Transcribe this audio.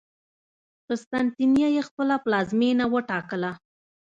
قسطنطنیه یې خپله پلازمېنه وټاکله.